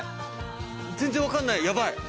全然分かんないヤバい。